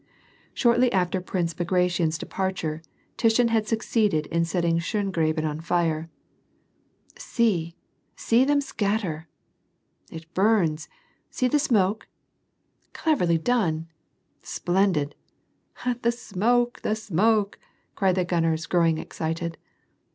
Shortly after Prince Bagration's departure, Tushin had suc ceeded in setting Schongraben on tire. " See, see them scatter !"—" It bums ! see the smoke !"—« Cleverly done !"—" Splendid !"—" The smoke ! the smoke !" cried the gunners, growing excited.